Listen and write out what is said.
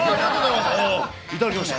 いただきました。